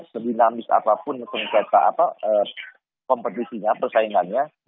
se dinamis apapun kompetisinya persaingannya